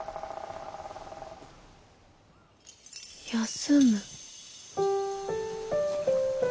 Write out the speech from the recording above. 休む？